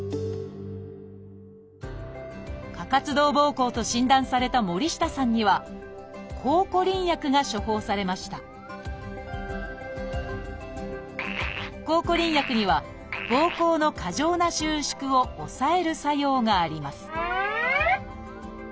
「過活動ぼうこう」と診断された森下さんには「抗コリン薬」が処方されました抗コリン薬にはぼうこうの過剰な収縮を抑える作用があります